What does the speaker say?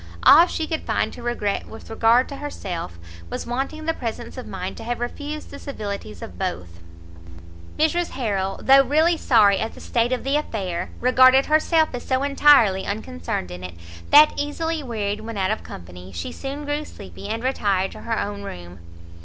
All she could find to regret with regard to herself, was wanting the presence of mind to have refused the civilities of both. Mrs Harrel, though really sorry at the state of the affair, regarded herself as so entirely unconcerned in it, that, easily wearied when out of company, she soon grew sleepy, and retired to her own room.